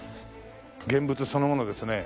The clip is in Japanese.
現物そのものですね。